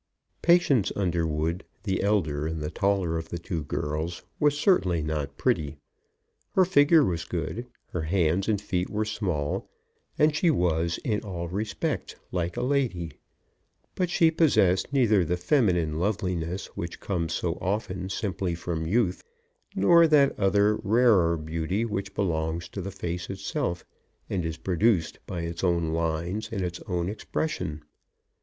Patience Underwood, the elder and the taller of the two girls, was certainly not pretty. Her figure was good, her hands and feet were small, and she was in all respects like a lady; but she possessed neither the feminine loveliness which comes so often simply from youth, nor that other, rarer beauty, which belongs to the face itself, and is produced by its own lines and its own expression.